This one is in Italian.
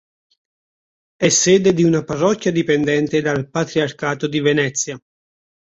È sede di una parrocchia dipendente dal patriarcato di Venezia.